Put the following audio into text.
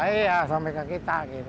iya sampai ke kita gitu